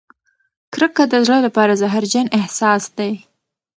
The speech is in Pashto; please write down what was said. کرکه د زړه لپاره زهرجن احساس دی.